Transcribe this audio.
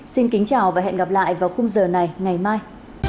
xin kính chào và hẹn gặp lại vào khung giờ này ngày mai